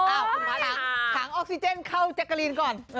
เอ้อของออกซิเจนเข้าแจ๊กกะลีนก่อน